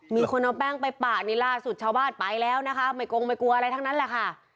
มีคนเอาแป้งไปปากนี่ล่าสุดชาวบ้านไปแล้วนะคะไม่กงไม่กลัวอะไรทั้งนั้นแหละค่ะ